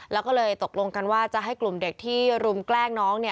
แล้วก็เลยตกลงกันว่าจะให้กลุ่มเด็กที่รุมแกล้งน้อง